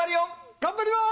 頑張ります！